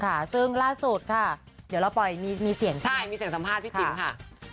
ค่ะซึ่งล่าสุดค่ะเดี๋ยวเราปล่อยมีเสียงใช่มีเสียงสัมภาษณ์พี่ติ๋มค่ะ